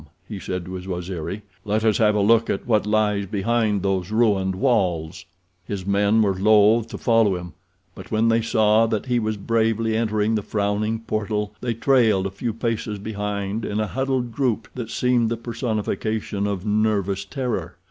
he said, to his Waziri. "Let us have a look at what lies behind those ruined walls." His men were loath to follow him, but when they saw that he was bravely entering the frowning portal they trailed a few paces behind in a huddled group that seemed the personification of nervous terror.